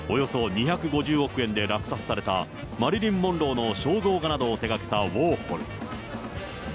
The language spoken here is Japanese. およそ２５０億円で落札されたマリリン・モンローの肖像画などを手がけたウォーホル。